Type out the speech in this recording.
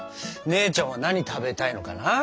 姉ちゃんは何食べたいのかな？